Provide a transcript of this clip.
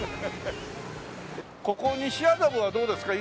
ここ西麻布はどうですか？